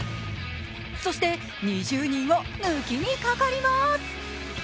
そして２０人を抜きにかかります。